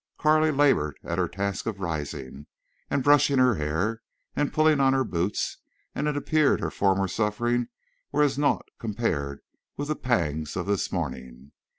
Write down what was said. Carley labored at her task of rising, and brushing her hair, and pulling on her boots; and it appeared her former sufferings were as naught compared with the pangs of this morning.